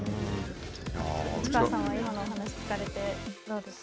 内川さんは今のお話を聞かれて、どうですか。